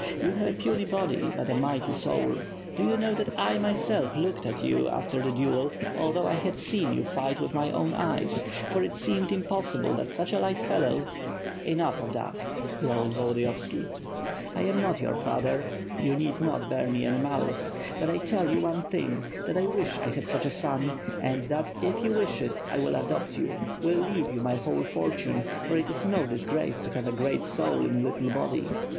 You have a puny body, but a mighty soul. Do you know that I, myself, looked at you after the duel, although I had seen you fight with my own eyes; for it seemed impossible that such a little fellow. ..." "Enough of that," growled Volodiyovski. "I am not your father; you need not bear me any malice. But I tell you one thing, that I wish I had such a son; and, if you wish it, I will adopt you; will leave you my whole for tune; for it is no disgrace to have a great soul in ^ little body.